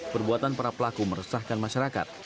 perbuatan para pelaku meresahkan masyarakat